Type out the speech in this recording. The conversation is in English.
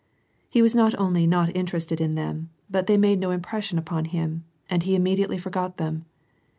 He was not only not interested in the but they made no impression upon him, and he immediatel; forgot them.